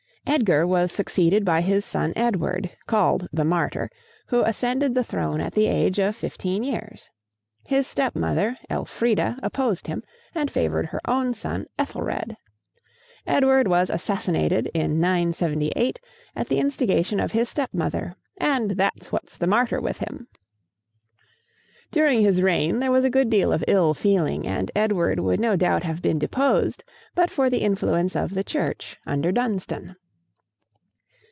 Edgar was succeeded by his son Edward, called "the Martyr," who ascended the throne at the age of fifteen years. His step mother, Elfrida, opposed him, and favored her own son, Ethelred. Edward was assassinated in 978, at the instigation of his step mother, and that's what's the martyr with him. During his reign there was a good deal of ill feeling, and Edward would no doubt have been deposed but for the influence of the church under Dunstan.